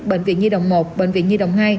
bệnh viện nhi đồng một bệnh viện nhi đồng hai